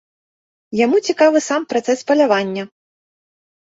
Яму цікавы сам працэс палявання.